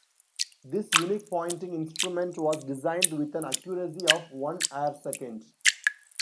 This unique pointing instrument was designed with an accuracy of one arcsecond.